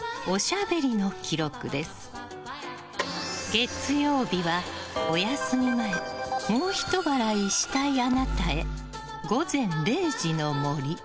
月曜日は、お休み前もうひと笑いしたいあなたへ。